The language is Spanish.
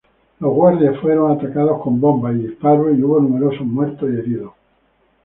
Los guardias fueron atacados con bombas y disparos, y hubo numerosos muertos y heridos.